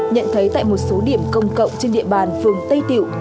nhận thấy tại một số điểm công cộng trên địa bàn phường tây tiểu